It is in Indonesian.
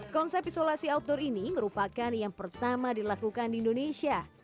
konsep isolasi outdoor ini merupakan yang pertama dilakukan di indonesia